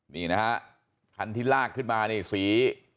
นี่นะฮะคันที่ลากขึ้นมานี่สี